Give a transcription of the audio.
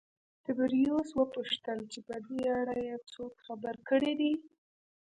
تبریوس وپوښتل چې په دې اړه یې څوک خبر کړي دي